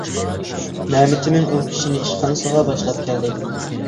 مەمتىمىن ئۇ كىشىنى ئىشخانىسىغا باشلاپ كەلدى.